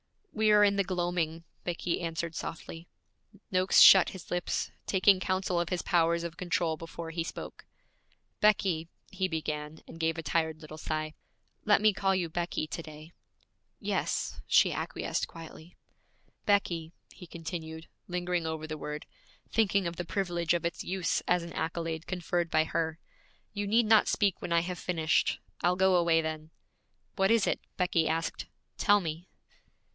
'We are in the gloaming,' Becky answered softly. Noakes shut his lips, taking counsel of his powers of control before he spoke. 'Becky,' he began, and gave a tired little sigh. 'Let me call you "Becky" to day.' 'Yes,' she acquiesced quietly. 'Becky,' he continued, lingering over the word, thinking of the privilege of its use as an accolade conferred by her, 'you need not speak when I have finished; I'll go away then.' 'What is it?' Becky asked. 'Tell me.'